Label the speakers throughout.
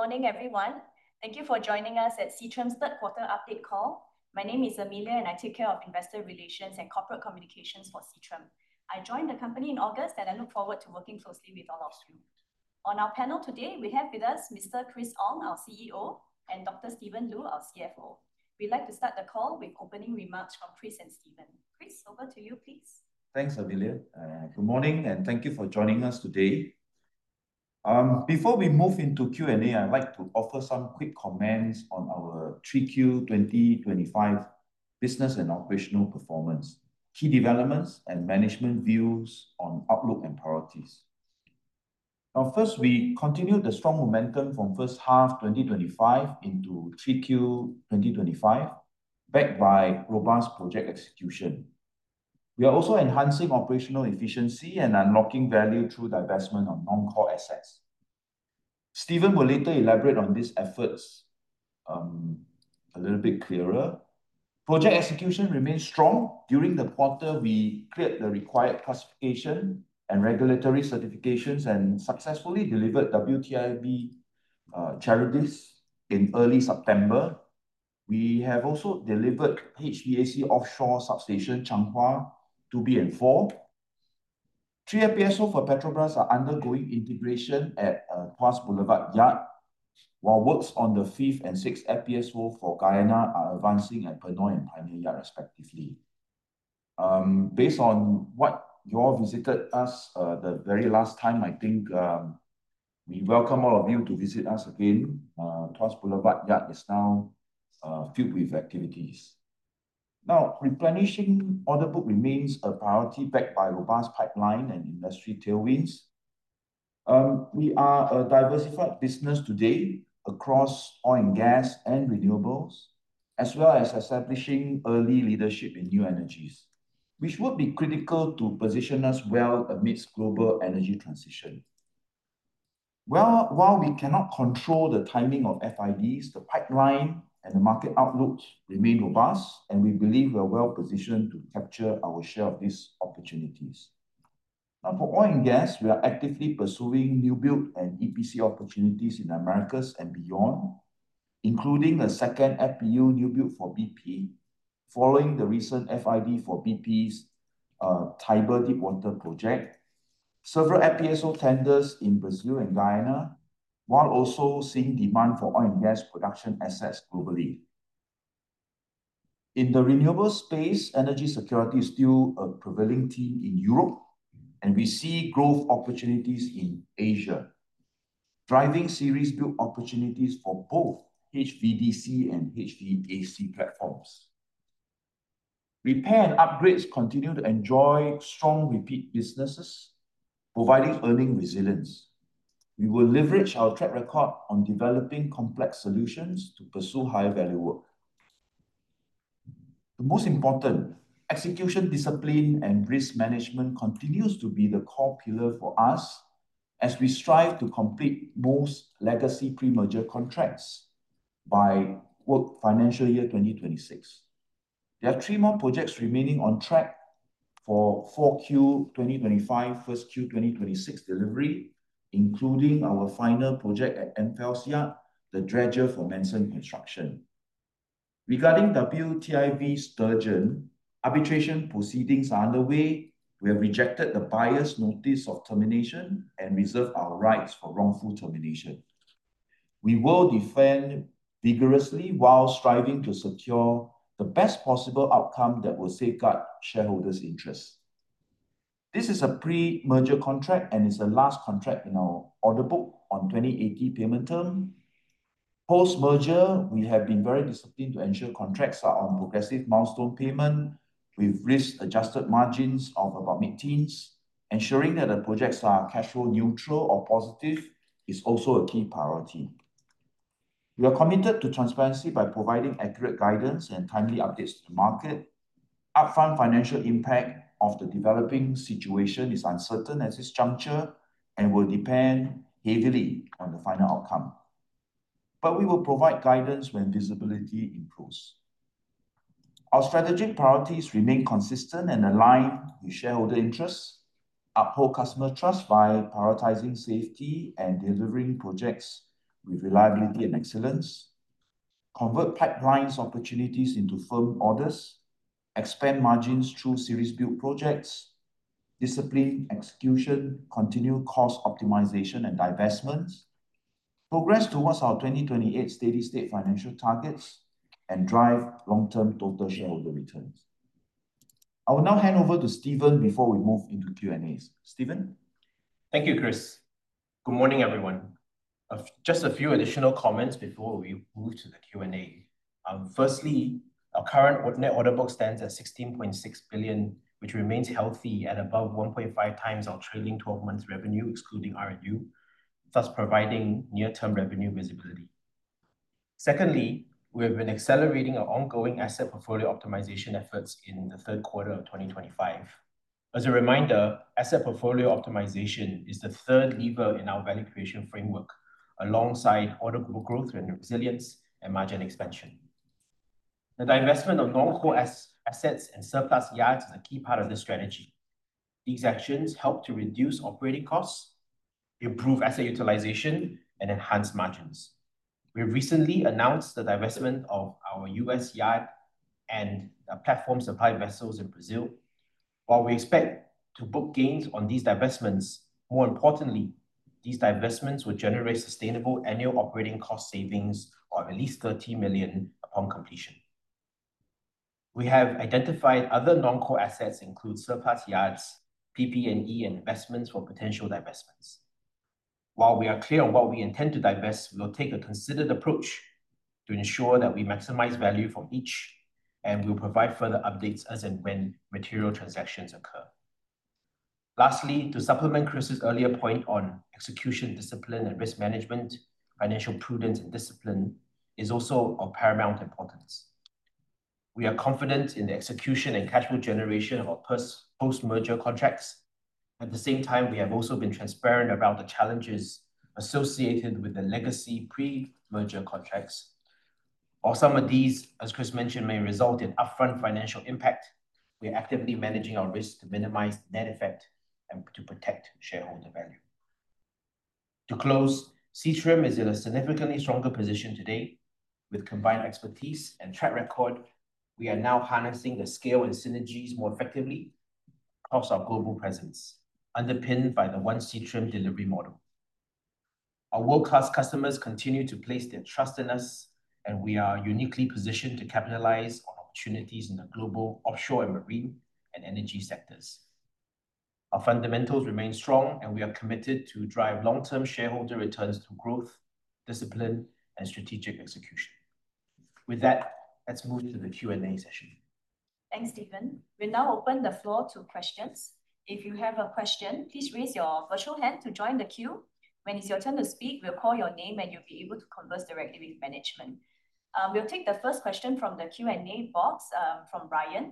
Speaker 1: Good morning, everyone. Thank you for joining us at Seatrium's third quarter update call. My name is Amelia, and I take care of investor relations and corporate communications for Seatrium. I joined the company in August, and I look forward to working closely with all of you. On our panel today, we have with us Mr. Chris Ong, our CEO, and Dr. Stephen Lu, our CFO. We'd like to start the call with opening remarks from Chris and Stephen. Chris, over to you, please.
Speaker 2: Thanks, Amelia. Good morning, and thank you for joining us today. Before we move into Q&A, I'd like to offer some quick comments on our 3Q 2025 business and operational performance, key developments and management views on outlook and priorities. First, we continued the strong momentum from 1H 2025 into 3Q 2025, backed by robust project execution. We are also enhancing operational efficiency and unlocking value through the investment of non-core assets. Stephen will later elaborate on these efforts a little bit clearer. Project execution remains strong. During the quarter, we cleared the required classification and regulatory certifications and successfully delivered WTIV Charybdis in early September. We have also delivered HVAC offshore substation Greater Changhua 2b and 4. Three FPSO for Petrobras are undergoing integration at Tuas Boulevard Yard, while works on the fifth and sixth FPSO for Guyana are advancing at Benoi and Pioneer, respectively. Based on what you all visited us, the very last time, I think, we welcome all of you to visit us again. Tuas Boulevard Yard is now filled with activities. Now, replenishing order book remains a priority backed by robust pipeline and industry tailwinds. We are a diversified business today across oil and gas and renewables, as well as establishing early leadership in new energies, which would be critical to position us well amidst global energy transition. Well, while we cannot control the timing of FIDs, the pipeline and the market outlook remain robust, and we believe we're well-positioned to capture our share of these opportunities. For oil and gas, we are actively pursuing new build and EPC opportunities in Americas and beyond, including the second FPU new build for BP following the recent FID for BP's Tiber deepwater project, several FPSO tenders in Brazil and Guyana, while also seeing demand for oil and gas production assets globally. In the renewable space, energy security is still a prevailing theme in Europe. We see growth opportunities in Asia, driving series build opportunities for both HVDC and HVAC platforms. Repair and upgrades continue to enjoy strong repeat businesses, providing earning resilience. We will leverage our track record on developing complex solutions to pursue higher value work. The most important, execution discipline and risk management continues to be the core pillar for us as we strive to complete most legacy pre-merger contracts by, quote, financial year 2026. There are three more projects remaining on track for 4Q 2025, 1Q 2026 delivery, including our final project at AmFELS Yard, the dredger for Manson Construction. Regarding WTIV Sturgeon, arbitration proceedings are underway. We have rejected the buyer's notice of termination and reserved our rights for wrongful termination. We will defend vigorously while striving to secure the best possible outcome that will safeguard shareholders' interests. This is a pre-merger contract, and it's the last contract in our order book on 20/80 payment term. Post-merger, we have been very disciplined to ensure contracts are on progressive milestone payment with risk-adjusted margins of about mid-teens. Ensuring that the projects are cash flow neutral or positive is also a key priority. We are committed to transparency by providing accurate guidance and timely updates to the market. Upfront financial impact of the developing situation is uncertain at this juncture and will depend heavily on the final outcome. We will provide guidance when visibility improves. Our strategic priorities remain consistent and aligned with shareholder interests, uphold customer trust via prioritizing safety and delivering projects with reliability and excellence, convert pipelines opportunities into firm orders, expand margins through series build projects, discipline execution, continue cost optimization and divestments, progress towards our 2028 steady-state financial targets, and drive long-term total shareholder returns. I will now hand over to Stephen before we move into Q&As. Stephen?
Speaker 3: Thank you, Chris. Good morning, everyone. Just a few additional comments before we move to the Q&A. Firstly, our current net order book stands at 16.6 billion, which remains healthy at above 1.5x our trailing 12 months revenue, excluding R&U, thus providing near-term revenue visibility. Secondly, we have been accelerating our ongoing asset portfolio optimization efforts in the third quarter of 2025. As a reminder, asset portfolio optimization is the third lever in our value creation framework alongside order book growth and resilience and margin expansion. The divestment of non-core assets and surplus yards is a key part of this strategy. These actions help to reduce operating costs, improve asset utilization, and enhance margins. We have recently announced the divestment of our U.S. yard and our platform supply vessels in Brazil. While we expect to book gains on these divestments, more importantly, these divestments will generate sustainable annual operating cost savings of at least 30 million upon completion. We have identified other non-core assets include surplus yards, PP&E investments for potential divestments. While we are clear on what we intend to divest, we will take a considered approach to ensure that we maximize value from each, and we'll provide further updates as and when material transactions occur. Lastly, to supplement Chris's earlier point on execution discipline and risk management, financial prudence and discipline is also of paramount importance. We are confident in the execution and cash flow generation of our post-merger contracts. At the same time, we have also been transparent about the challenges associated with the legacy pre-merger contracts. While some of these, as Chris mentioned, may result in upfront financial impact, we are actively managing our risk to minimize net effect and to protect shareholder value. To close, Seatrium is in a significantly stronger position today with combined expertise and track record. We are now harnessing the scale and synergies more effectively across our global presence, underpinned by the One Seatrium delivery model. Our world-class customers continue to place their trust in us, and we are uniquely positioned to capitalize on opportunities in the global offshore and marine and energy sectors. Our fundamentals remain strong, and we are committed to drive long-term shareholder returns through growth, discipline, and strategic execution. With that, let's move to the Q&A session.
Speaker 1: Thanks, Stephen. We'll now open the floor to questions. If you have a question, please raise your virtual hand to join the queue. When it's your turn to speak, we'll call your name, and you'll be able to converse directly with management. We'll take the first question from the Q&A box from Ryan,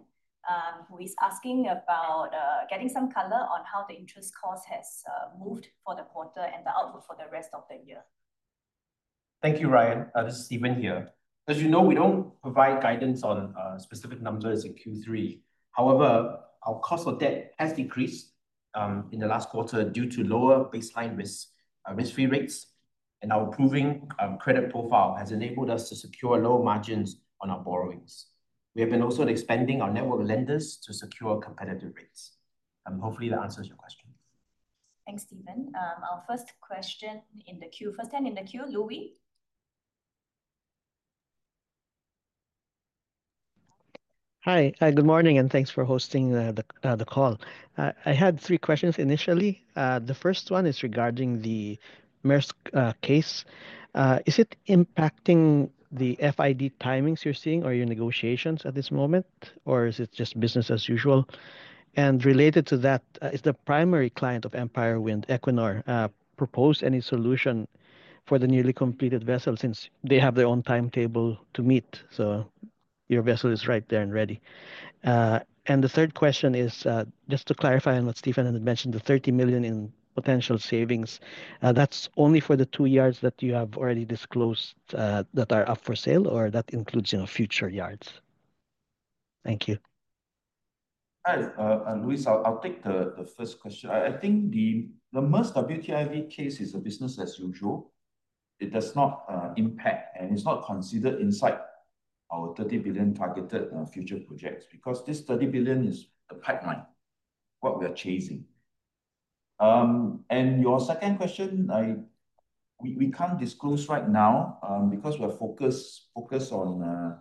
Speaker 1: who is asking about getting some color on how the interest cost has moved for the quarter and the outlook for the rest of the year.
Speaker 3: Thank you, Ryan. This is Stephen here. As you know, we don't provide guidance on specific numbers in Q3. However, our cost of debt has decreased in the last quarter due to lower baseline risk-free rates, and our improving credit profile has enabled us to secure low margins on our borrowings. We have been also expanding our network of lenders to secure competitive rates. Hopefully, that answers your question.
Speaker 1: Thanks, Stephen. Our first hand in the queue, Luis.
Speaker 4: Hi. Good morning, and thanks for hosting the call. I had three questions initially. The first one is regarding the Maersk case. Is it impacting the FID timings you're seeing or your negotiations at this moment, or is it just business as usual? Related to that, is the primary client of Empire Wind, Equinor, propose any solution for the newly completed vessel since they have their own timetable to meet? Your vessel is right there and ready. The third question is, just to clarify on what Stephen had mentioned, the 30 million in potential savings, that's only for the two yards that you have already disclosed, that are up for sale, or that includes, you know, future yards? Thank you.
Speaker 2: Hi, Luis. I'll take the first question. I think the Maersk WTIV case is a business as usual. It does not impact. It's not considered inside our 30 billion targeted future projects because this 30 billion is a pipeline, what we are chasing. Your second question, we can't disclose right now because we're focused on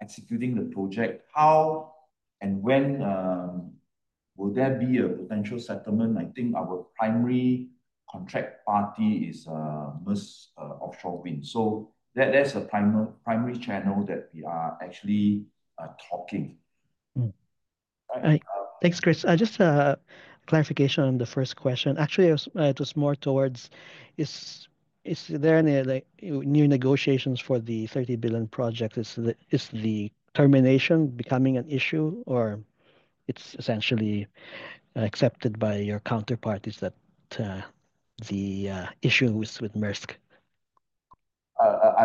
Speaker 2: executing the project. How and when will there be a potential settlement? I think our primary contract party is Maersk Offshore Wind. That's a primary channel that we are actually talking.
Speaker 4: Mm-hmm.
Speaker 2: Uh-
Speaker 4: Thanks, Chris. Just a clarification on the first question. Actually, it was more towards is there any, like, new negotiations for the 30 billion project? Is the termination becoming an issue, or it's essentially accepted by your counterparties that the issues with Maersk?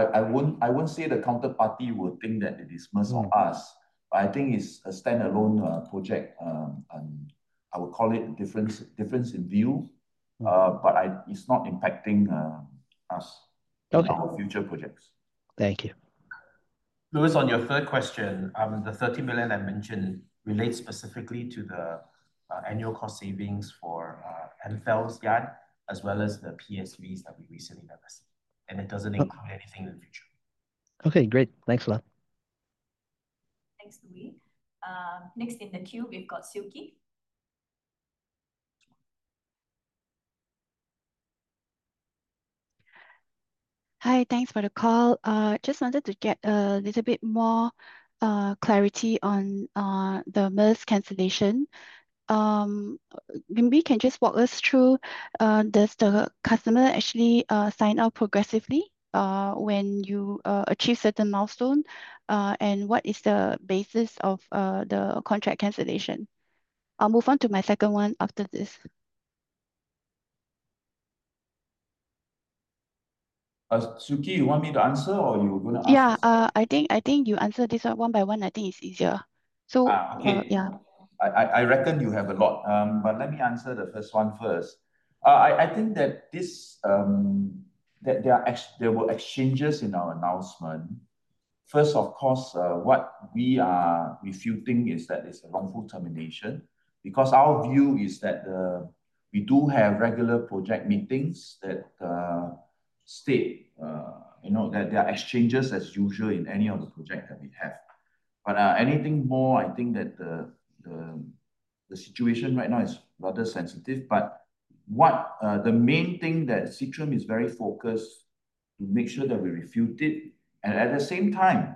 Speaker 2: I wouldn't say the counterparty would think that it is Maersk or us. I think it's a standalone project. I would call it difference in view. It's not impacting us.
Speaker 4: Okay
Speaker 2: ...or our future projects.
Speaker 4: Thank you.
Speaker 3: Luis, on your third question, the 30 million I mentioned relates specifically to the annual cost savings for AmFELS yard, as well as the PSVs that we recently divested. It doesn't include anything in the future.
Speaker 4: Okay, great. Thanks a lot.
Speaker 1: Thanks, Luis. Next in the queue, we've got Siew Khee.
Speaker 5: Hi. Thanks for the call. Just wanted to get a little bit more clarity on the Maersk cancellation. Maybe you can just walk us through, does the customer actually sign off progressively when you achieve certain milestone? What is the basis of the contract cancellation? I'll move on to my second one after this.
Speaker 2: Siew Khee, you want me to answer or you're gonna answer?
Speaker 5: Yeah. I think you answer this one by one, I think it is easier.
Speaker 2: Okay.
Speaker 5: yeah.
Speaker 2: I reckon you have a lot. Let me answer the first one first. I think that this, that there were exchanges in our announcement. First, of course, what we are refuting is that it's a wrongful termination because our view is that we do have regular project meetings that state, you know, that there are exchanges as usual in any other project that we have. Anything more, I think that the situation right now is rather sensitive. The main thing that Seatrium is very focused to make sure that we refute it, and at the same time,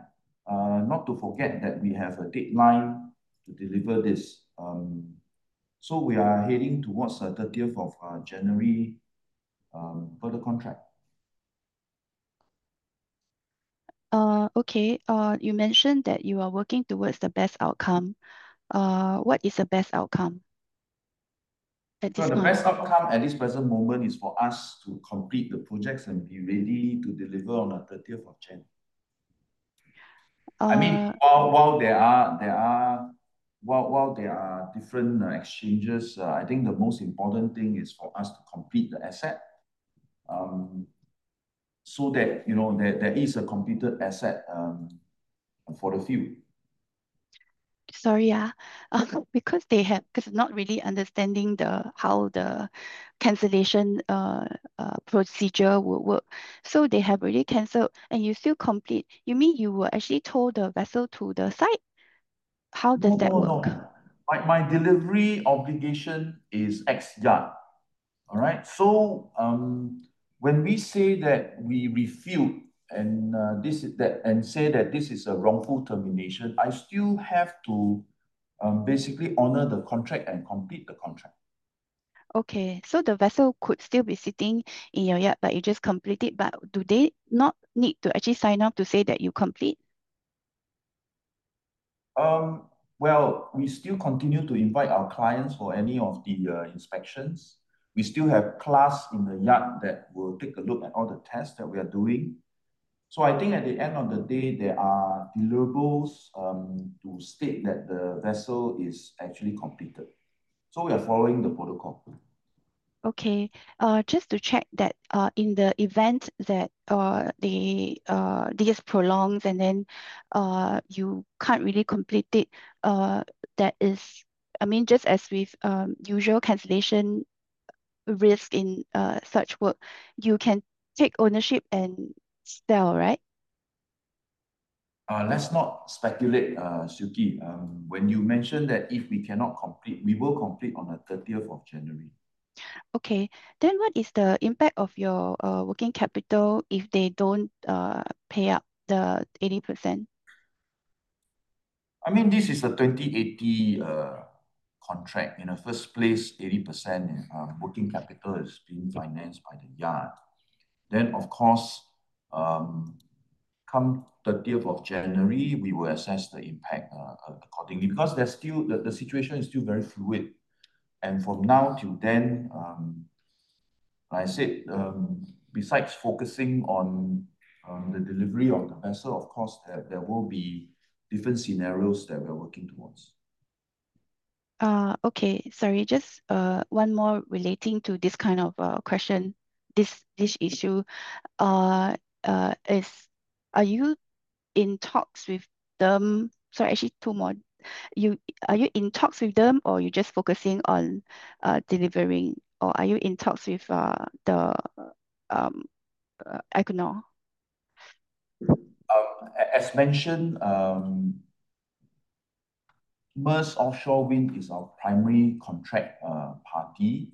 Speaker 2: not to forget that we have a deadline to deliver this, so we are heading towards 30th of January for the contract.
Speaker 5: Okay. You mentioned that you are working towards the best outcome. What is the best outcome at this moment?
Speaker 2: The best outcome at this present moment is for us to complete the projects and be ready to deliver on the 30th of January.
Speaker 5: Uh-
Speaker 2: I mean, while there are different exchanges, I think the most important thing is for us to complete the asset, so that, you know, there is a completed asset for the few.
Speaker 5: Sorry, yeah. Because not really understanding the, how the cancellation procedure would work, they have already canceled and you still complete, you mean you will actually tow the vessel to the site? How does that work?
Speaker 2: My delivery obligation is ex yard. All right? When we say that we refute and say that this is a wrongful termination, I still have to basically honor the contract and complete the contract.
Speaker 5: Okay. The vessel could still be sitting in your yard, but you just complete it, but do they not need to actually sign off to say that you complete?
Speaker 2: Well, we still continue to invite our clients for any of the inspections. We still have class in the yard that will take a look at all the tests that we are doing. I think at the end of the day, there are deliverables to state that the vessel is actually completed. We are following the protocol.
Speaker 5: Okay. Just to check that, in the event that, the, this prolongs and then, you can't really complete it, I mean, just as with usual cancellation risk in such work, you can take ownership and sell, right?
Speaker 2: Let's not speculate, Siew Khee. When you mention that if we cannot complete, we will complete on the 30th of January.
Speaker 5: Okay. What is the impact of your working capital if they don't pay up the 80%?
Speaker 2: I mean, this is a 20/80 contract. In the first place, 80% working capital is being financed by the yard. Of course, come 30th of January, we will assess the impact accordingly. There's still the situation is still very fluid. From now till then, I said, besides focusing on the delivery of the vessel, of course there will be different scenarios that we're working towards.
Speaker 5: Okay. Sorry, just one more relating to this kind of question, this issue. Are you in talks with them? Sorry, actually two more. Are you in talks with them, or you're just focusing on delivering? Or are you in talks with the Equinor?
Speaker 2: As mentioned, Maersk Offshore Wind is our primary contract party,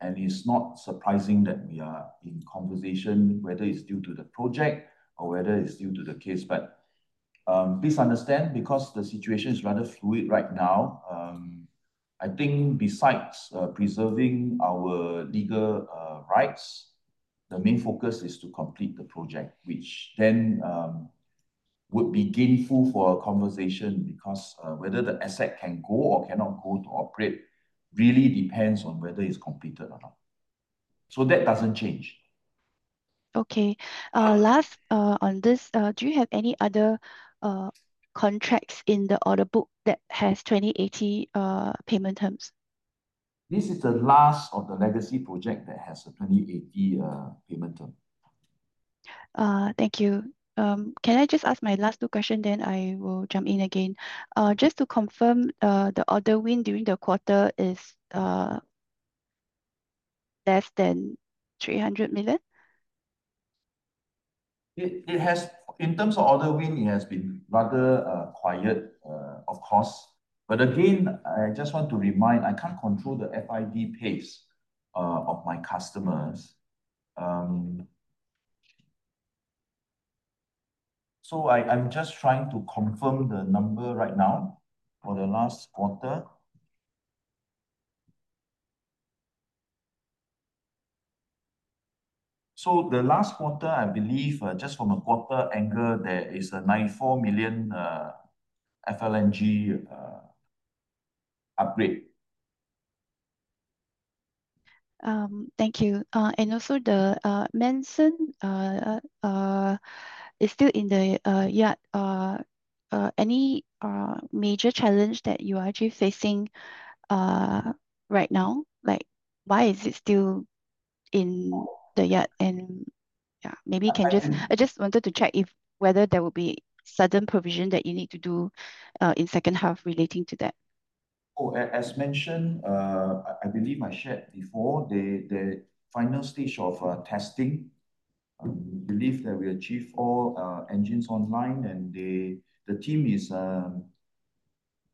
Speaker 2: and it's not surprising that we are in conversation whether it's due to the project or whether it's due to the case. Please understand because the situation is rather fluid right now, I think besides preserving our legal rights, the main focus is to complete the project which then would be gainful for a conversation because whether the asset can go or cannot go to operate really depends on whether it's completed or not. That doesn't change.
Speaker 5: Okay.
Speaker 2: Um-
Speaker 5: Last, on this, do you have any other contracts in the order book that has 20/80 payment terms?
Speaker 2: This is the last of the legacy project that has a 20/80 payment term.
Speaker 5: Thank you. Can I just ask my last two question then I will jump in again? Just to confirm, the order win during the quarter is less than SGD 300 million?
Speaker 2: In terms of order win, it has been rather quiet, of course. Again, I just want to remind, I can't control the FID pace of my customers. I'm just trying to confirm the number right now for the last quarter. The last quarter, I believe, just from a quarter angle, there is a 94 million FLNG upgrade.
Speaker 5: Thank you. Also the mention is still in the yard. Any major challenge that you are actually facing right now? Like, why is it still in the yard?
Speaker 2: Uh, and-
Speaker 5: I just wanted to check if whether there will be sudden provision that you need to do, in second half relating to that.
Speaker 2: As mentioned, I believe I shared before, the final stage of testing, we believe that we achieve all engines online and the team is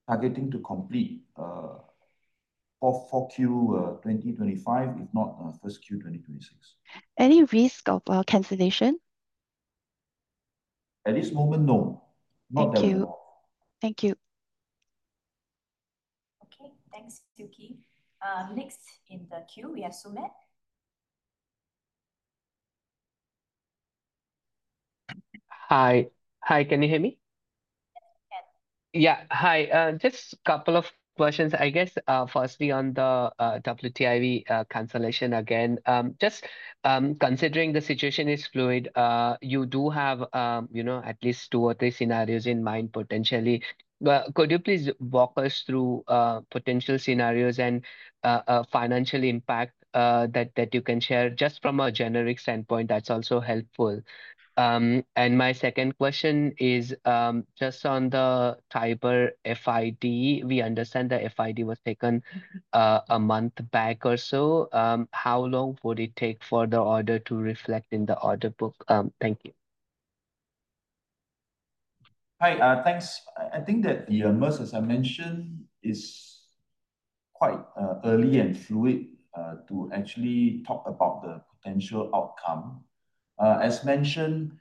Speaker 2: targeting to complete for 4Q 2025, if not, 1Q 2026.
Speaker 5: Any risk of cancellation?
Speaker 2: At this moment, no. Not that we know of.
Speaker 5: Thank you. Thank you.
Speaker 1: Okay. Thanks, Siew Khee. Next in the queue, we have Sumedh.
Speaker 6: Hi. Hi, can you hear me?
Speaker 1: Yes.
Speaker 6: Hi, just couple of questions, I guess. Firstly on the WTIV cancellation again. Just considering the situation is fluid, you do have, you know, at least two or three scenarios in mind potentially. Could you please walk us through potential scenarios and financial impact that you can share just from a generic standpoint that's also helpful? My second question is just on the Tiber FID. We understand the FID was taken a month back or so. How long would it take for the order to reflect in the order book? Thank you.
Speaker 2: Hi, thanks. I think that the, as I mentioned, is quite early and fluid to actually talk about the potential outcome. As mentioned,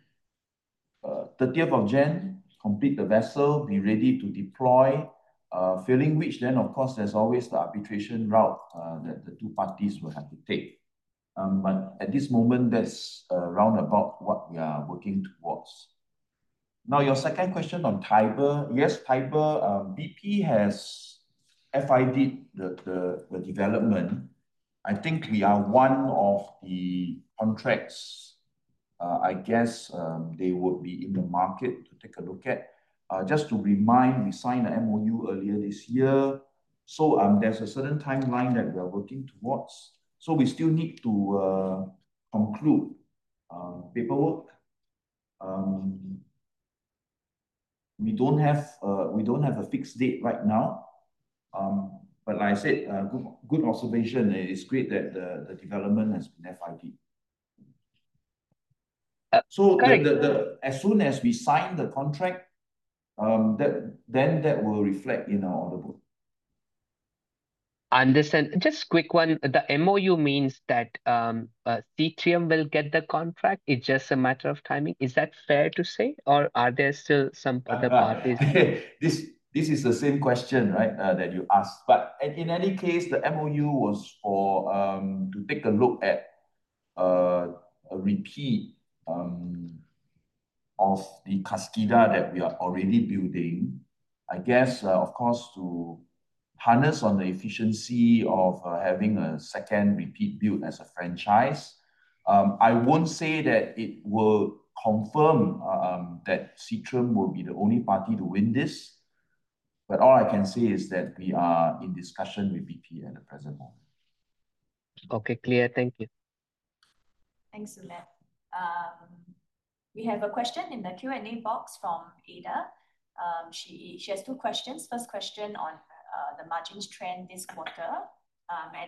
Speaker 2: 3oth of Jan, complete the vessel, be ready to deploy, failing which then of course there's always the arbitration route that the two parties will have to take. At this moment, that's round about what we are working towards. Now, your second question on Tiber. Yes, Tiber, BP has FID the development. I think we are one of the contracts, I guess, they would be in the market to take a look at. Just to remind, we signed an MoU earlier this year, there's a certain timeline that we are working towards. We still need to conclude paperwork. We don't have a fixed date right now. Like I said, good observation. It is great that the development has been FID.
Speaker 6: Great.
Speaker 2: The as soon as we sign the contract, then that will reflect in our order book.
Speaker 6: Understand. Just quick one. The MOU means that Seatrium will get the contract, it just a matter of timing. Is that fair to say? Are there still some other parties?
Speaker 2: This is the same question, right? That you asked. In any case, the MOU was for to take a look at a repeat of the Kaskida that we are already building. I guess, of course, to harness on the efficiency of having a second repeat build as a franchise. I won't say that it will confirm that Seatrium will be the only party to win this. All I can say is that we are in discussion with BP at the present moment.
Speaker 6: Okay. Clear. Thank you.
Speaker 1: Thanks, Sumedh. We have a question in the Q&A box from Ada. She has two questions. First question on the margins trend this quarter.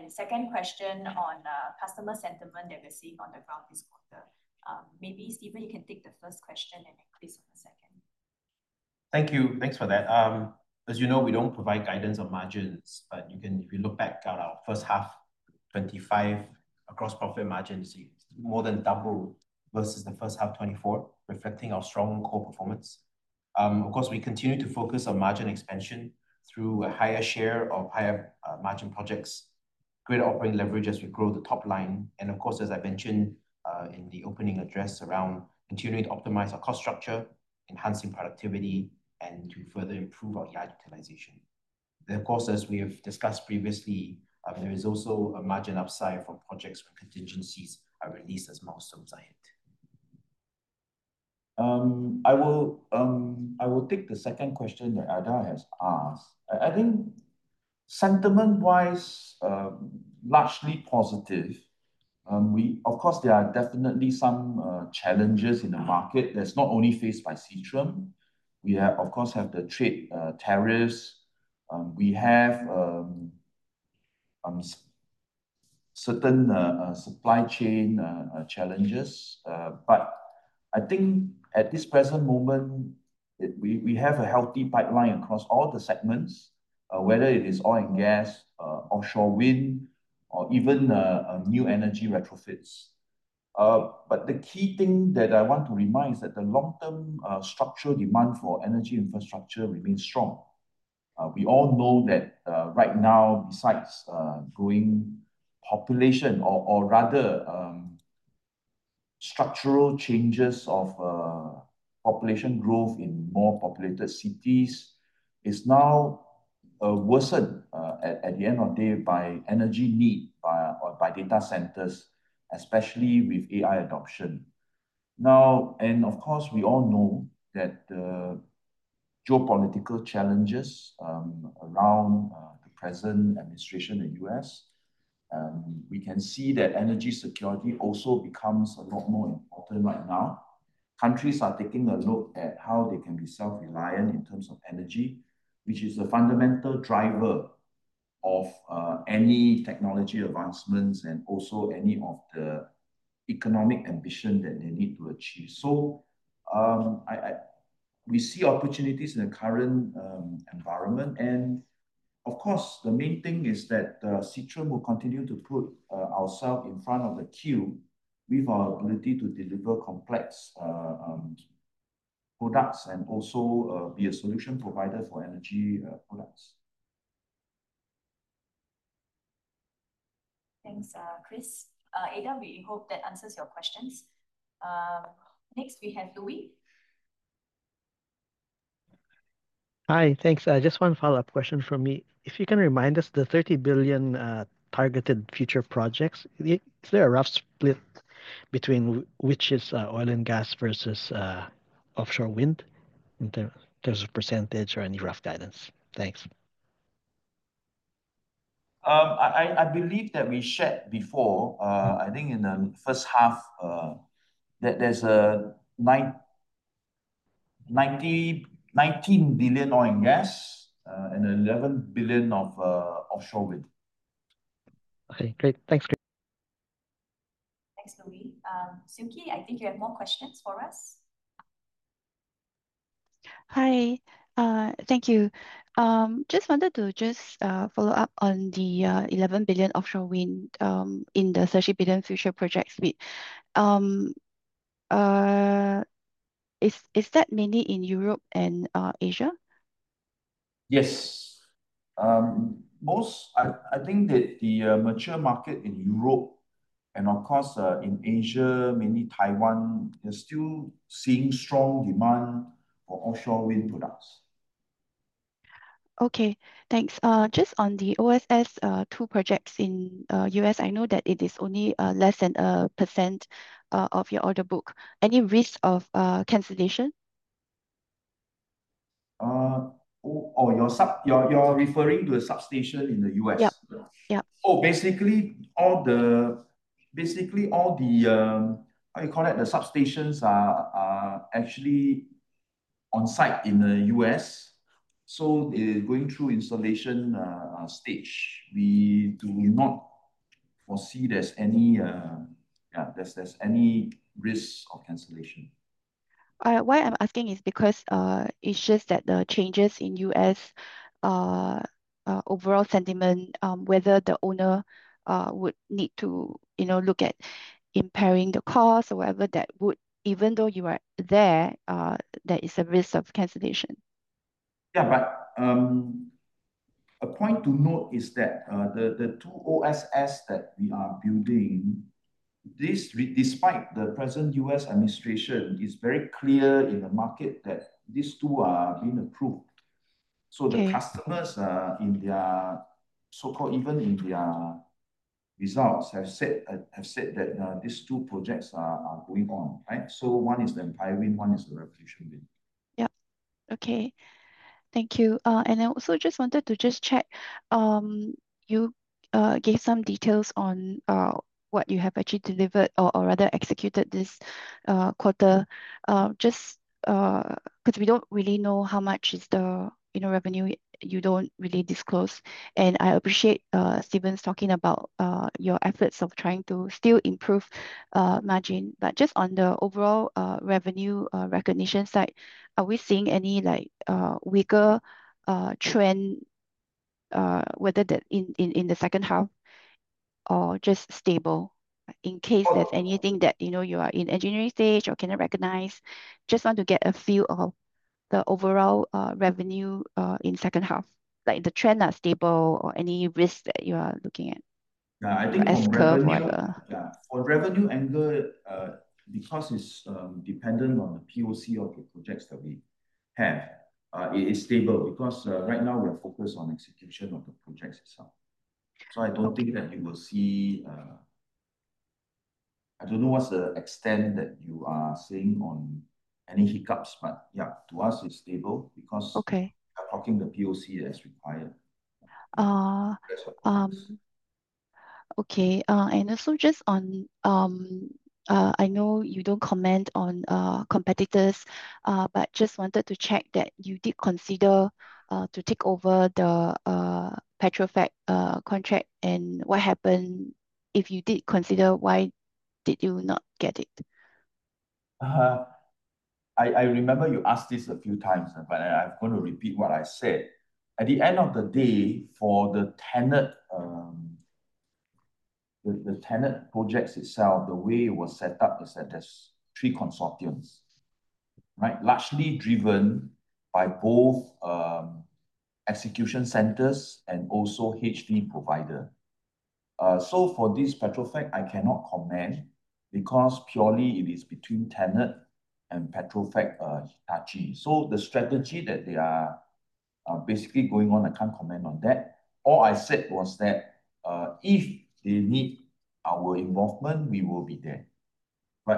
Speaker 1: Second question on customer sentiment that we're seeing on the ground this quarter. Maybe Stephen can take the first question and then Chris on the second.
Speaker 3: Thank you. Thanks for that. As you know, we don't provide guidance on margins. If you look back at our first half 2025 across profit margins, it's more than doubled versus the first half 2024, reflecting our strong core performance. Of course, we continue to focus on margin expansion through a higher share of higher margin projects, great operating leverage as we grow the top line, and of course, as I mentioned in the opening address around continuing to optimize our cost structure, enhancing productivity, and to further improve our yard utilization. Of course, as we have discussed previously, there is also a margin upside from projects where contingencies are released as milestones are hit.
Speaker 2: I will take the second question that Ada has asked. I think sentiment-wise, largely positive. Of course, there are definitely some challenges in the market that's not only faced by Seatrium. We have, of course, have the trade, tariffs. We have certain supply chain challenges. I think at this present moment, we have a healthy pipeline across all the segments, whether it is oil and gas, offshore wind, or even new energy retrofits. The key thing that I want to remind is that the long-term structural demand for energy infrastructure remains strong. We all know that, right now, besides growing population or rather, Structural changes of population growth in more populated cities is now worsened at the end of day by energy need by or by data centers, especially with AI adoption. Of course we all know that the geopolitical challenges around the present administration in the U.S., we can see that energy security also becomes a lot more important right now. Countries are taking a look at how they can be self-reliant in terms of energy, which is a fundamental driver of any technology advancements and also any of the economic ambition that they need to achieve. We see opportunities in the current environment and of course the main thing is that Seatrium will continue to put ourselves in front of the queue with our ability to deliver complex products and also be a solution provider for energy products.
Speaker 1: Thanks, Chris. Ada, we hope that answers your questions. Next we have Luis.
Speaker 4: Hi. Thanks. Just one follow-up question from me. If you can remind us the 30 billion targeted future projects, is there a rough split between which is oil and gas versus offshore wind in terms of percentage or any rough guidance? Thanks.
Speaker 2: I believe that we shared before, I think in the first half, that there's 19 billion oil and gas, and 11 billion of offshore wind.
Speaker 4: Okay, great. Thanks, Chris.
Speaker 1: Thanks, Luis. Siew Khee, I think you have more questions for us.
Speaker 5: Hi. Thank you. Just wanted to follow up on the 11 billion offshore wind in the 30 billion future projects bid. Is that mainly in Europe and Asia?
Speaker 2: Yes. I think the mature market in Europe and of course, in Asia, mainly Taiwan, they're still seeing strong demand for offshore wind products.
Speaker 5: Okay. Thanks. Just on the OSS, two projects in U.S., I know that it is only less than a percent of your order book. Any risk of cancellation?
Speaker 2: Oh, You're referring to a substation in the U.S.?
Speaker 5: Yep. Yep.
Speaker 2: Basically, all the what do you call it? The substations are actually on site in the U.S., so they're going through installation stage. We do not foresee there's any, yeah, there's any risk of cancellation.
Speaker 5: Why I'm asking is because it's just that the changes in U.S. overall sentiment, whether the owner would need to, you know, look at impairing the cost. Even though you are there is a risk of cancellation.
Speaker 2: A point to note is that the two OSS that we are building, despite the present U.S. administration, is very clear in the market that these two are being approved.
Speaker 5: Okay.
Speaker 2: The customers, in their so-called, even in their results have said that these two projects are going on, right? One is the Empire Wind, one is the Revolution Wind.
Speaker 5: Yep. Okay. Thank you. I also just wanted to just check, you gave some details on what you have actually delivered or rather executed this quarter, just 'cause we don't really know how much is the, you know, revenue you don't really disclose. I appreciate Stephen talking about your efforts of trying to still improve margin. Just on the overall revenue recognition side, are we seeing any, like, weaker trend in the second half or just stable, in case there's anything that, you know, you are in engineering stage or cannot recognize, just want to get a feel of the overall revenue in second half, like the trend are stable or any risk that you are looking at-
Speaker 2: Yeah, I think from revenue-.
Speaker 5: S-curve, whatever.
Speaker 2: Yeah. For revenue angle, because it's dependent on the POC of the projects that we have, it is stable because, right now we're focused on execution of the projects itself. I don't think that you will see. I don't know what's the extent that you are seeing on any hiccups, but yeah, to us it's stable.
Speaker 5: Okay
Speaker 2: We're talking the POC that's required.
Speaker 5: Uh-
Speaker 2: That's what it is....
Speaker 5: okay. Also just on, I know you don't comment on competitors, but just wanted to check that you did consider to take over the Petrofac contract and what happened. If you did consider, why did you not get it?
Speaker 2: I remember you asked this a few times, but I'm going to repeat what I said. At the end of the day, for the TenneT, the TenneT projects itself, the way it was set up is that there's three consortiums. Right? Largely driven by both, execution centers and also HVDC provider. For this Petrofac, I cannot comment because purely it is between TenneT and Petrofac, Hitachi. The strategy that they are, basically going on, I can't comment on that. All I said was that, if they need our involvement, we will be there.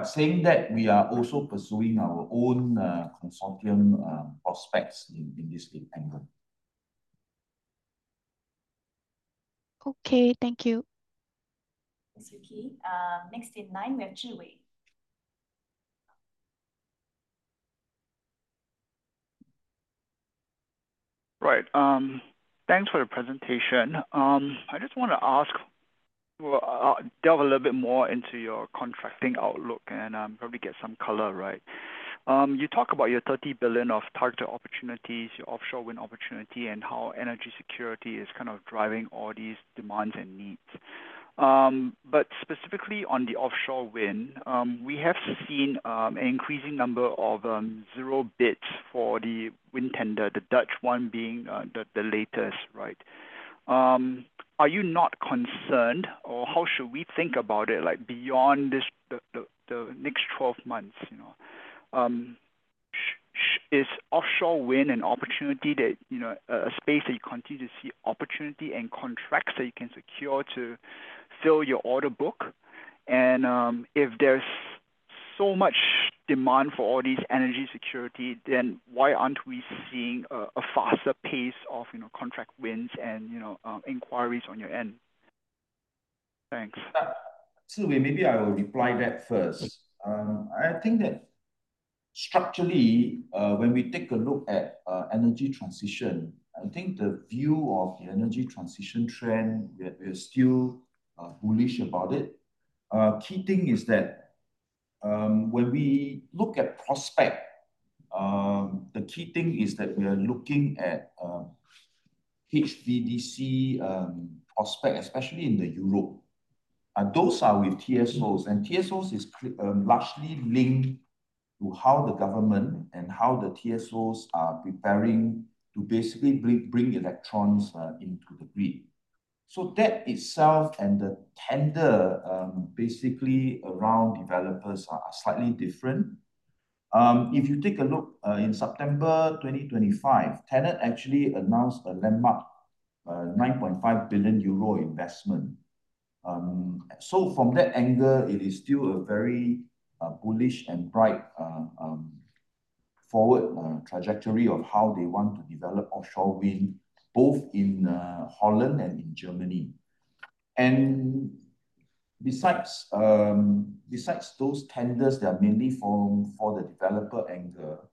Speaker 2: Saying that, we are also pursuing our own, consortium, prospects in this angle.
Speaker 5: Okay. Thank you.
Speaker 1: Thanks, Siew Khee. Next in line we have Zhi Wei.
Speaker 7: Right. Thanks for your presentation. I just wanna ask, delve a little bit more into your contracting outlook and probably get some color, right? You talk about your 30 billion of target opportunities, your Offshore Wind opportunity, and how energy security is kind of driving all these demands and needs. Specifically on the Offshore Wind, we have seen an increasing number of zero bids for the wind tender, the Dutch one being the latest, right? Are you not concerned or how should we think about it, like beyond this, the next 12 months, you know? Is Offshore Wind an opportunity that, you know, a space that you continue to see opportunity and contracts that you can secure to fill your order book? If there's so much demand for all this energy security, why aren't we seeing a faster pace of, you know, contract wins and, you know, inquiries on your end? Thanks.
Speaker 2: Zhi Wei, maybe I will reply that first. I think that structurally, when we take a look at energy transition, I think the view of the energy transition trend, we are still bullish about it. Key thing is that when we look at prospect, the key thing is that we are looking at HVDC prospect, especially in the Europe. Those are with TSOs, and TSOs is largely linked to how the government and how the TSOs are preparing to basically bring electrons into the grid. That itself and the tender basically around developers are slightly different. If you take a look in September 2025, TenneT actually announced a landmark 9.5 billion euro investment. From that angle it is still a very bullish and bright forward trajectory of how they want to develop offshore wind, both in Holland and in Germany. Besides those tenders that are mainly for the developer angle,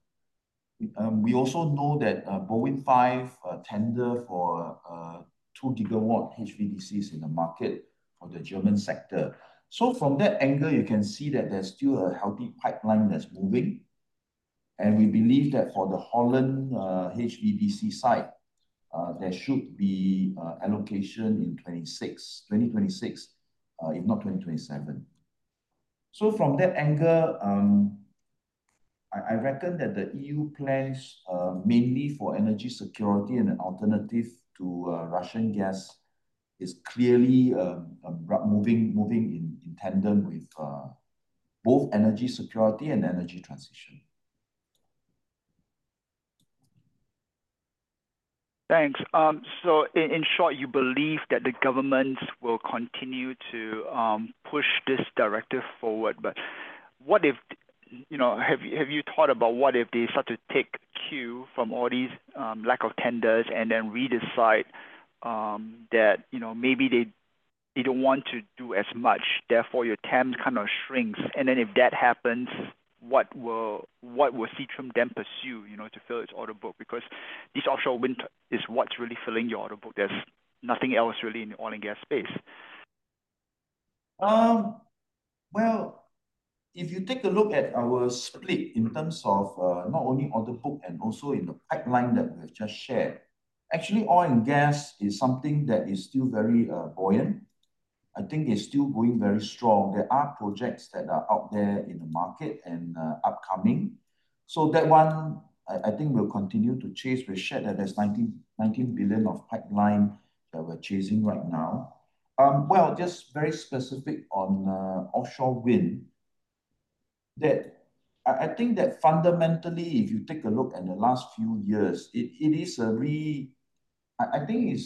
Speaker 2: we also know that BalWin5 tender for 2 GW HVDCs in the market for the German sector. From that angle you can see that there's still a healthy pipeline that's moving, and we believe that for the Holland HVDC side, there should be allocation in 2026, if not 2027. From that angle, I reckon that the EU plans mainly for energy security and an alternative to Russian gas is clearly moving in tandem with both energy security and energy transition.
Speaker 7: Thanks. In short, you believe that the governments will continue to push this directive forward. What if, you know, have you thought about what if they start to take cue from all these lack of tenders and then redecide that, you know, maybe they don't want to do as much, therefore your TAM kind of shrinks. If that happens, what will Seatrium then pursue, you know, to fill its order book? This offshore wind is what's really filling your order book. There's nothing else really in the oil and gas space.
Speaker 2: Well, if you take a look at our split in terms of not only order book and also in the pipeline that we have just shared, actually oil and gas is something that is still very buoyant. I think it's still growing very strong. There are projects that are out there in the market and upcoming. That one, I think we'll continue to chase. We shared that there's 19 billion of pipeline that we're chasing right now. Well, just very specific on offshore wind, that I think that fundamentally if you take a look at the last few years, I think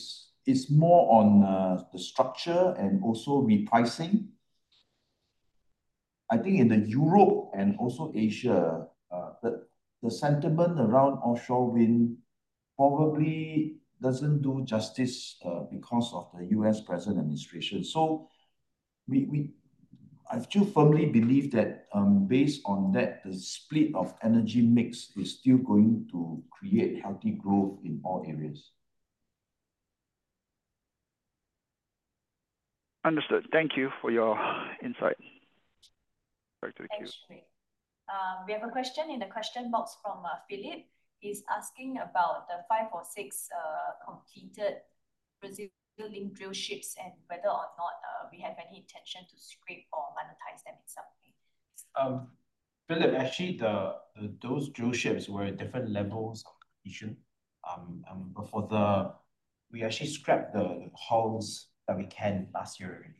Speaker 2: it's more on the structure and also repricing. I think in Europe and also Asia, the sentiment around offshore wind probably doesn't do justice, because of the U.S. present administration. I still firmly believe that, based on that, the split of energy mix is still going to create healthy growth in all areas.
Speaker 7: Understood. Thank you for your insight. Back to the queue.
Speaker 1: Thanks, Zhi Wei. We have a question in the question box from Philip. He's asking about the five or six completed projects Brazil building drill ships and whether or not, we have any intention to scrap or monetize them in some way.
Speaker 3: Philip, actually the those drill ships were at different levels of completion. We actually scrapped the the hulls that we can last year already.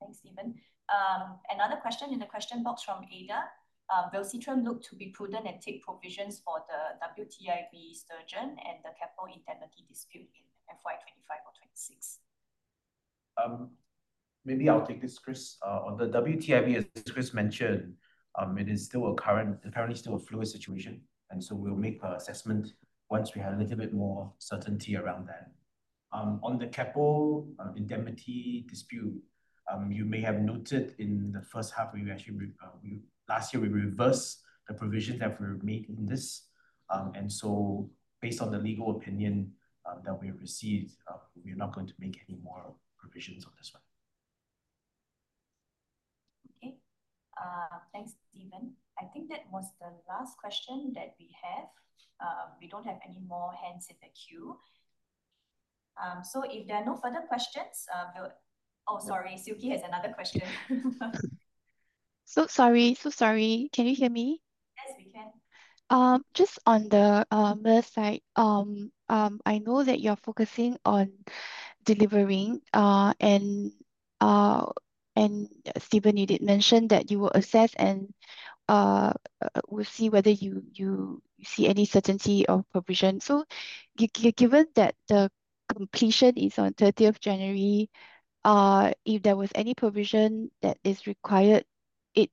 Speaker 1: Thanks, Stephen. Another question in the question box from Ada. Will Seatrium look to be prudent and take provisions for the WTIV Sturgeon and the Keppel indemnity dispute in FY 2025 or 2026?
Speaker 3: Maybe I'll take this, Chris. On the WTIV, as Chris mentioned, it is still apparently still a fluid situation. We'll make our assessment once we have a little bit more certainty around that. On the Keppel indemnity dispute, you may have noted in the first half we actually last year we reversed the provisions that were made in this. Based on the legal opinion that we received, we're not going to make any more provisions on this one.
Speaker 1: Thanks, Stephen. I think that was the last question that we have. We don't have any more hands in the queue. If there are no further questions, Oh, sorry. Siew Khee has another question.
Speaker 5: Sorry. Sorry. Can you hear me?
Speaker 1: Yes, we can.
Speaker 5: Just on the Mural side. I know that you're focusing on delivering, and Stephen, you did mention that you will assess and we'll see whether you see any certainty of provision. Given that the completion is on thirtieth January, if there was any provision that is required, it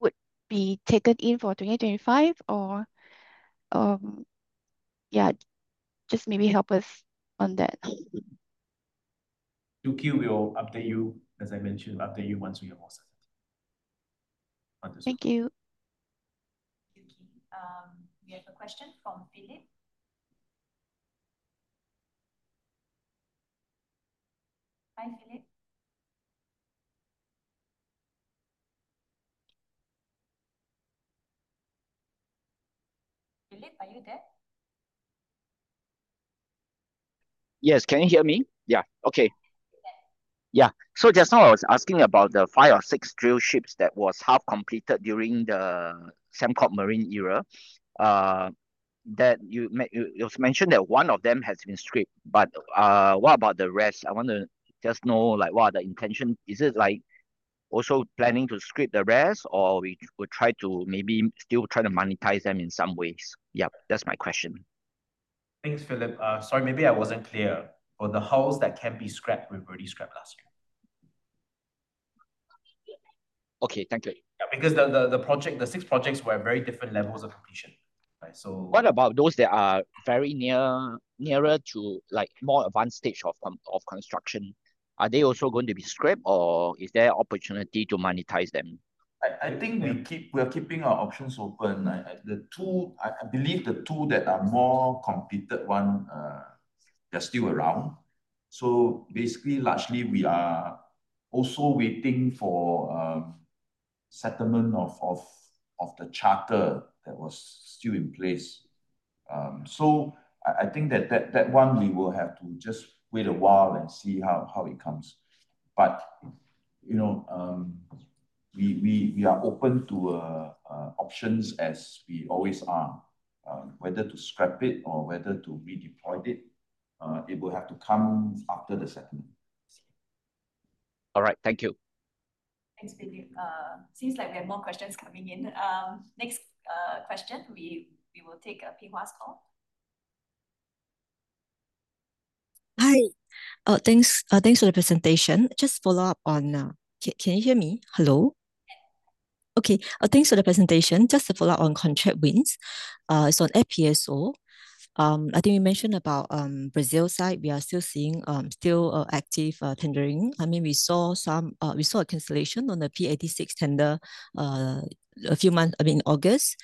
Speaker 5: would be taken in for 2025 or? Yeah, just maybe help us on that.
Speaker 3: Siew Khee, we'll update you, as I mentioned, update you once we have more certainty on this one.
Speaker 5: Thank you.
Speaker 1: Siew Khee. We have a question from Philip. Hi, Philip. Philip, are you there?
Speaker 8: Yes. Can you hear me? Yeah. Okay.
Speaker 1: Yes.
Speaker 8: Just now I was asking about the five or six drill ships that was half completed during the Sembcorp Marine era, that you also mentioned that one of them has been scrapped, but what about the rest? I wanna just know, like, what are the intention? Is it, like, also planning to scrap the rest, or we would try to maybe still try to monetize them in some ways? That's my question.
Speaker 2: Thanks, Philip. Sorry, maybe I wasn't clear. For the hulls that can be scrapped, we've already scrapped last year.
Speaker 8: Okay. Thank you.
Speaker 2: The six projects were at very different levels of completion, right?
Speaker 8: What about those that are very near, nearer to, like, more advanced stage of construction? Are they also going to be scrapped, or is there opportunity to monetize them?
Speaker 2: I think we are keeping our options open. I believe the two that are more completed one, they're still around. Basically, largely we are also waiting for settlement of the charter that was still in place. I think that one we will have to just wait a while and see how it comes. You know, we are open to options as we always are, whether to scrap it or whether to redeploy it. It will have to come after the settlement.
Speaker 8: All right. Thank you.
Speaker 1: Thanks, Philip. Seems like we have more questions coming in. Next question, we will take Pei Hwa's call.
Speaker 9: Hi. Thanks, thanks for the presentation. Can you hear me? Hello?
Speaker 1: Yes.
Speaker 9: Okay. Thanks for the presentation. Just to follow up on contract wins, on FPSO, I think we mentioned about Brazil side, we are still seeing active tendering. I mean, we saw a cancellation on the P-86 tender a few months, I mean, in August.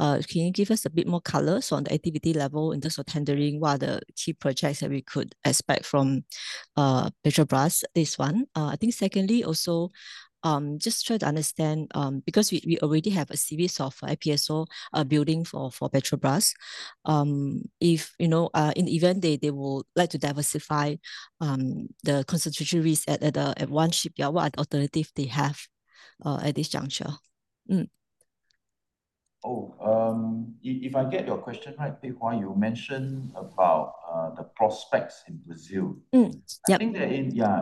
Speaker 9: Can you give us a bit more color, so on the activity level in terms of tendering, what are the key projects that we could expect from Petrobras, this one? I think secondly, also, just try to understand, because we already have a series of FPSO building for Petrobras. If, you know, in the event they will like to diversify the concentration risk at one shipyard, what alternative they have at this juncture?
Speaker 2: If I get your question right, Pei Hwa, you mentioned about the prospects in Brazil.
Speaker 9: Yep.
Speaker 2: I think that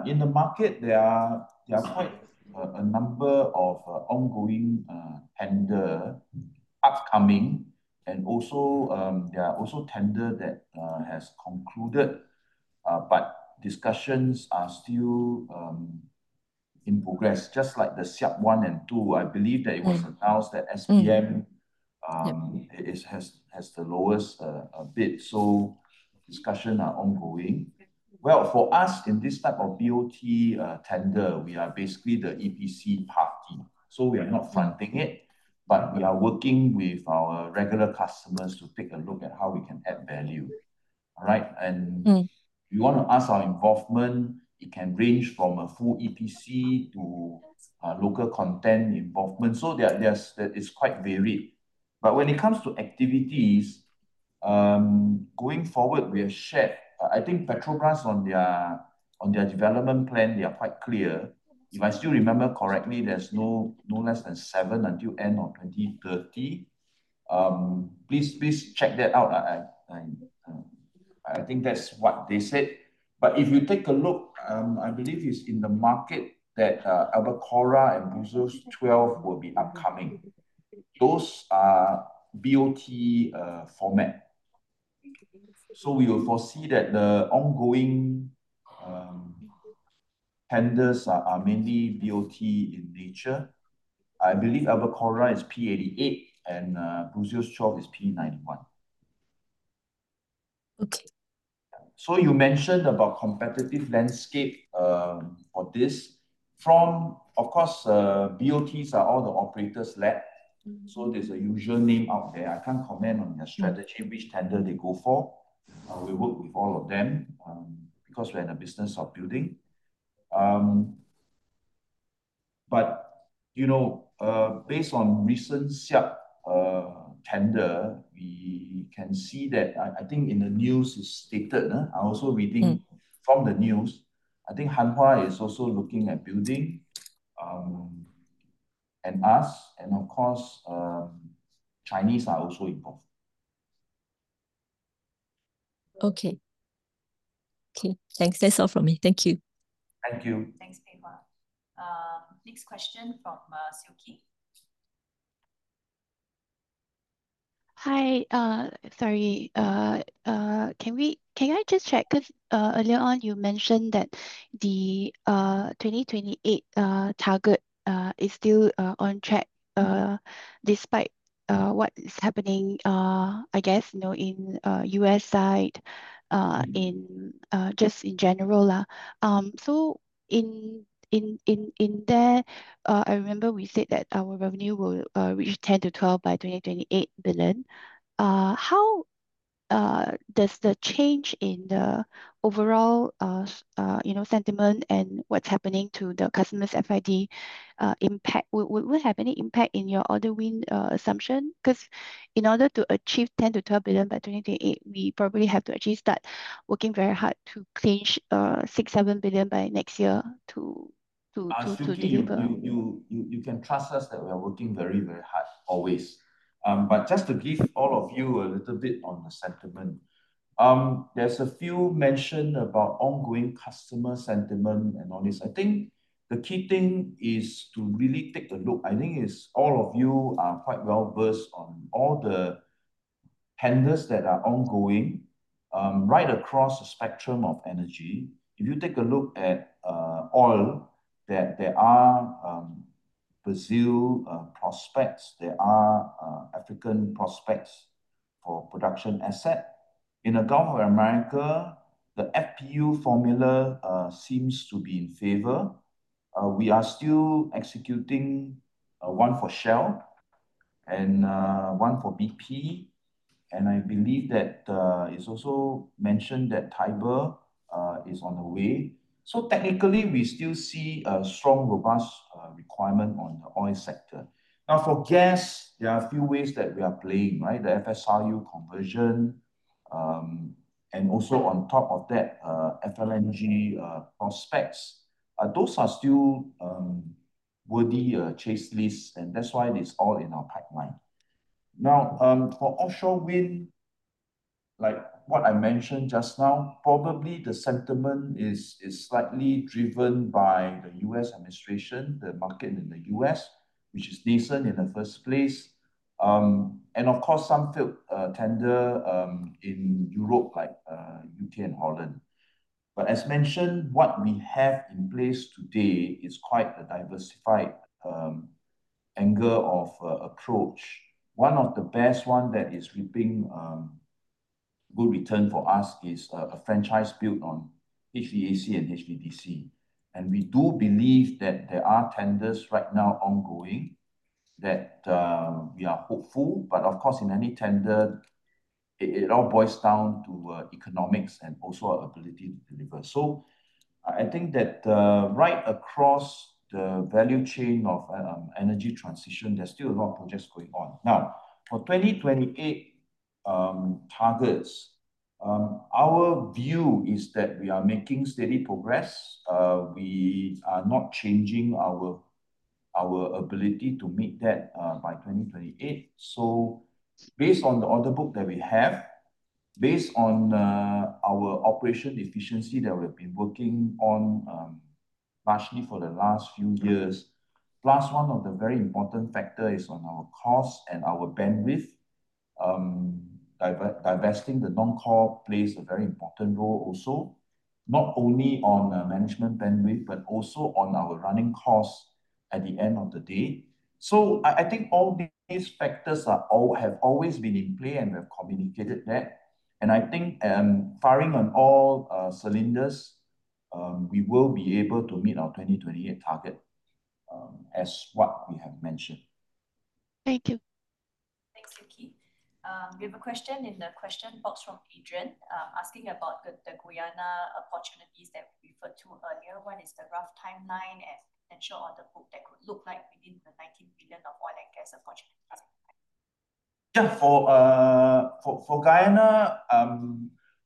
Speaker 2: in the market there are quite a number of ongoing tender upcoming and also there are also tender that has concluded, but discussions are still in progress. Just like the Sépia and Atapu I believe it is announced that SBM-
Speaker 9: Yep
Speaker 2: is, has the lowest bid. Discussions are ongoing. Well, for us in this type of BOT tender, we are basically the EPC party. We are not fronting it, but we are working with our regular customers to take a look at how we can add value. All right You wanna ask our involvement, it can range from a full EPC to local content involvement. That is quite varied. When it comes to activities, going forward, we have shared... I think Petrobras on their, on their development plan, they are quite clear. If I still remember correctly, there's no less than seven until end of 2030. Please check that out. I think that's what they said. If you take a look, I believe it's in the market that Albacora and Búzios-12 will be upcoming. Those are BOT format. We will foresee that the ongoing tenders are mainly BOT in nature. I believe Albacora is P-88 and Búzios-12 is P-91.
Speaker 9: Okay.
Speaker 2: You mentioned about competitive landscape for this. Of course, BOTs are all the operators led. There's a usual name out there. I can't comment on their strategy, which tender they go for. We work with all of them because we're in the business of building. You know, based on recent Siap tender, we can see that I think in the news it's stated. From the news, I think Hanwha is also looking at building, and us, and of course, Chinese are also involved.
Speaker 9: Okay. Okay, thanks. That's all from me. Thank you.
Speaker 2: Thank you.
Speaker 1: Thanks, Pei Hwa. Next question from Siew Khee.
Speaker 5: Hi. Sorry. Can we, can I just check? Earlier on, you mentioned that the 2028 target is still on track despite what is happening, I guess, you know, in U.S. side, just in general. There, I remember we said that our revenue will reach 10 billion-12 billion by 2028. How does the change in the overall, you know, sentiment and what's happening to the customers' FID have any impact in your order win assumption? In order to achieve 10 billion-12 billion by 2028, we probably have to actually start working very hard to clinch 6 billion-7 billion by next year to deliver.
Speaker 2: Siew Khee, you can trust us that we are working very, very hard always. Just to give all of you a little bit on the sentiment, there's a few mention about ongoing customer sentiment and all this. I think the key thing is to really take a look. I think all of you are quite well-versed on all the tenders that are ongoing right across the spectrum of energy. If you take a look at oil, there are Brazil prospects. There are African prospects for production asset. In the Gulf of Mexico, the FPU formula seems to be in favor. We are still executing one for Shell and one for BP, and I believe that it's also mentioned that Tiber is on the way. Technically, we still see a strong, robust requirement on the oil sector. For gas, there are a few ways that we are playing, right? The FSRU conversion, and also on top of that, FLNG prospects. Those are still worthy chase lists, and that's why it is all in our pipeline. For offshore wind, like what I mentioned just now, probably the sentiment is slightly driven by the U.S. administration, the market in the U.S., which is decent in the first place. And of course, some field tender in Europe, like U.K. and Holland. As mentioned, what we have in place today is quite a diversified angle of approach. One of the best one that is reaping good return for us is a franchise built on HVAC and HVDC. We do believe that there are tenders right now ongoing that we are hopeful, but of course, in any tender, it all boils down to economics and also our ability to deliver. I think that right across the value chain of energy transition, there's still a lot of projects going on. Now, for 2028 targets, our view is that we are making steady progress. We are not changing our ability to meet that by 2028. Based on the order book that we have, based on our operation efficiency that we've been working on partially for the last few years. Plus, one of the very important factor is on our cost and our bandwidth. Divesting the non-core plays a very important role also, not only on management bandwidth, but also on our running costs at the end of the day. I think all these factors have always been in play, and we've communicated that. I think, firing on all cylinders, we will be able to meet our 2028 target, as what we have mentioned.
Speaker 5: Thank you.
Speaker 1: Thanks, Siew Khee. We have a question in the question box from Adrian, asking about the Guyana opportunities that we referred to earlier. When is the rough timeline and potential order book that could look like within the SGD 19 billion oil and gas opportunities?
Speaker 2: Yeah. For Guyana,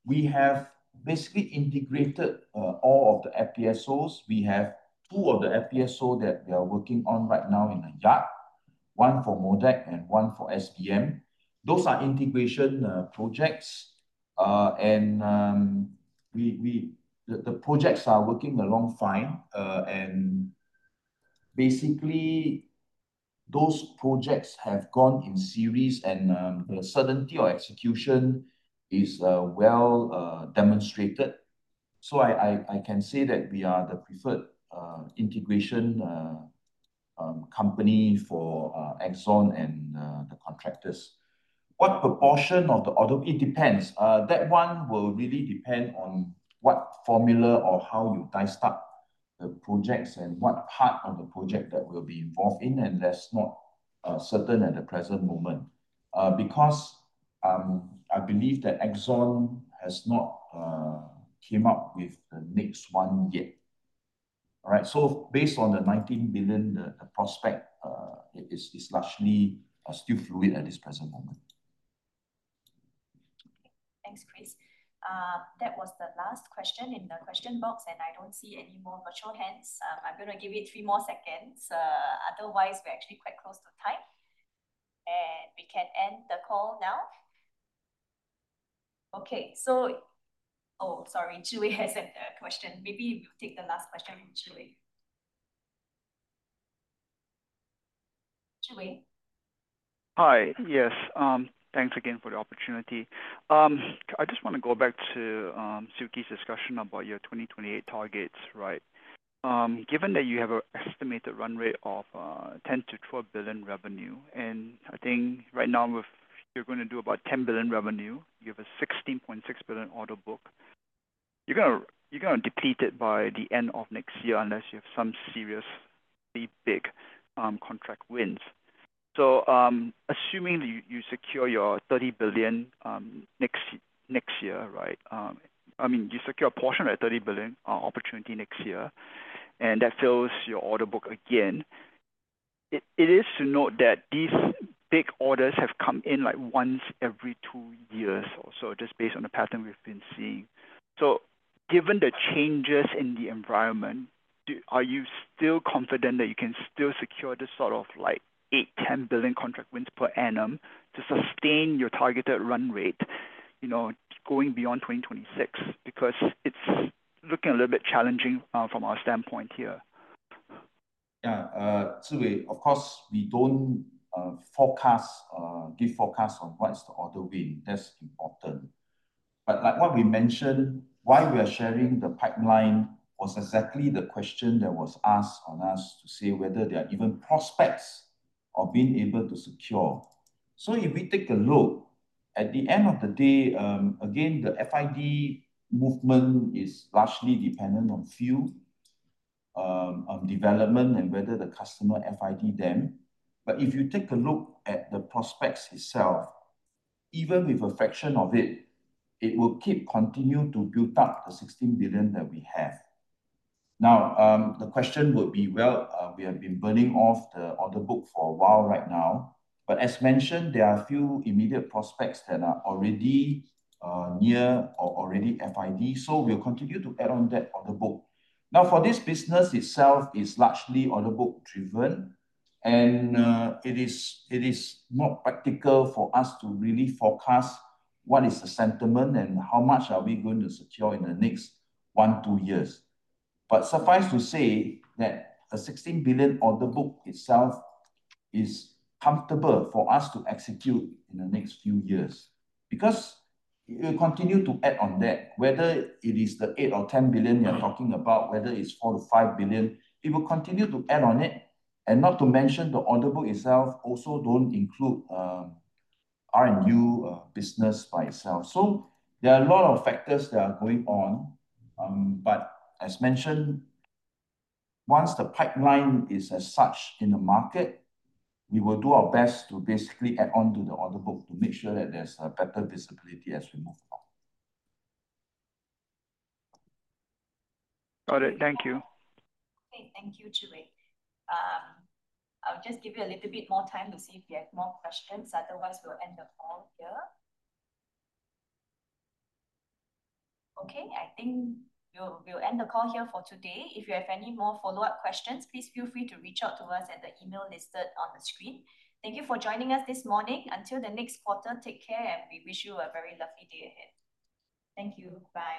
Speaker 2: we have basically integrated all of the FPSOs. We have two of the FPSO that we are working on right now in a yard, one for MODEC and one for SBM. Those are integration projects. The projects are working along fine. Basically those projects have gone in series and the certainty of execution is well demonstrated. So I can say that we are the preferred integration company for ExxonMobil and the contractors. What proportion of the order? It depends. That one will really depend on what formula or how you dice up the projects and what part of the project that we'll be involved in, and that's not certain at the present moment. Because I believe that Exxon has not came up with the next one yet. All right. Based on the 19 billion, the prospect it is largely still fluid at this present moment.
Speaker 1: Okay. Thanks, Chris. That was the last question in the question box. I don't see any more virtual hands. I'm gonna give it three more seconds. Otherwise, we're actually quite close to time, and we can end the call now. Okay. Oh, sorry. Yap Zhi Wei has a question. Maybe we'll take the last question from Yap Zhi Wei. Yap Zhi Wei??
Speaker 7: Hi. Yes. Thanks again for the opportunity. I just wanna go back to Siew Khee's discussion about your 2028 targets, right? Given that you have a estimated run rate of 10 billion-12 billion revenue, and I think right now with you're gonna do about 10 billion revenue, you have a 16.6 billion order book. You're gonna deplete it by the end of next year unless you have some seriously big contract wins. Assuming you secure your 30 billion next year, right? I mean, you secure a portion of that 30 billion opportunity next year, and that fills your order book again. It is to note that these big orders have come in, like, once every two years or so, just based on the pattern we've been seeing. Given the changes in the environment, are you still confident that you can still secure this sort of, like, 8 billion-10 billion contract wins per annum to sustain your targeted run rate, you know, going beyond 2026? It's looking a little bit challenging from our standpoint here.
Speaker 2: Yeah. Yap Zhi Wei, of course, we don't forecast, give forecast on what is the order win. That's important. Like what we mentioned, why we are sharing the pipeline was exactly the question that was asked on us to say whether there are even prospects of being able to secure. If we take a look, at the end of the day, again, the FID movement is largely dependent on field development and whether the customer FID them. If you take a look at the prospects itself, even with a fraction of it will keep continue to build up the 16 billion that we have. The question would be, we have been burning off the order book for a while right now. As mentioned, there are a few immediate prospects that are already near or already FID, so we'll continue to add on that order book. For this business itself is largely order book driven, and it is not practical for us to really forecast what is the sentiment and how much are we going to secure in the next one, two years. Suffice to say that a 16 billion order book itself is comfortable for us to execute in the next few years, because we'll continue to add on that. Whether it is the 8 billion or 10 billion we are talking about, whether it's 4 billion-5 billion, it will continue to add on it. Not to mention the order book itself also don't include R&U business by itself. There are a lot of factors that are going on. As mentioned, once the pipeline is as such in the market, we will do our best to basically add on to the order book to make sure that there's a better visibility as we move along.
Speaker 7: Got it. Thank you.
Speaker 1: Okay. Thank you, Yap Zhi Wei. I'll just give you a little bit more time to see if you have more questions, otherwise we'll end the call here. I think we'll end the call here for today. If you have any more follow-up questions, please feel free to reach out to us at the email listed on the screen. Thank you for joining us this morning. Until the next quarter, take care, and we wish you a very lovely day ahead. Thank you. Bye.